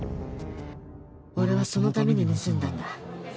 俺はそのために盗んだんだ